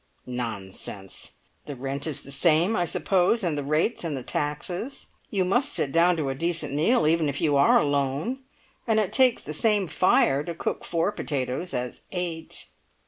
Nonsense! The rent is the same, I suppose, and the rates, and the taxes. You must sit down to a decent meal even if you are alone, and it takes the same fire to cook four potatoes as eight.